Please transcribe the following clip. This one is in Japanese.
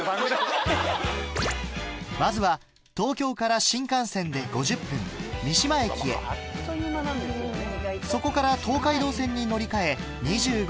まずは東京から新幹線で５０分三島駅へそこから東海道線に乗り換え２５分